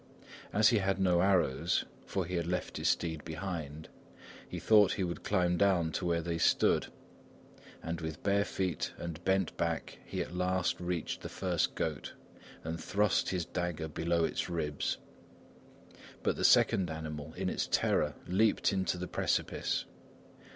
As he had no arrows (for he had left his steed behind), he thought he would climb down to where they stood; and with bare feet and bent back he at last reached the first goat and thrust his dagger below its ribs. But the second animal, in its terror, leaped into the precipice.